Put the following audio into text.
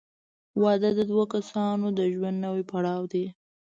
• واده د دوه کسانو د ژوند نوی پړاو دی.